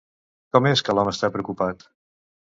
Com és que l'home està preocupat?